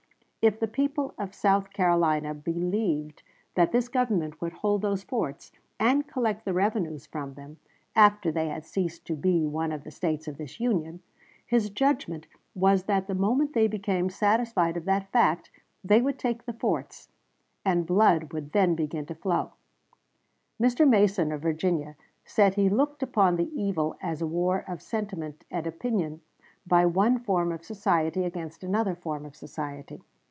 If the people of South Carolina believed that this Government would hold those forts, and collect the revenues from them, after they had ceased to be one of the States of this Union, his judgment was that the moment they became satisfied of that fact they would take the forts, and blood would then begin to flow. Ibid., Dec. 10, 1860, p. 35. Mr. Mason, of Virginia, said he looked upon the evil as a war of sentiment and opinion by one form of society against another form of society.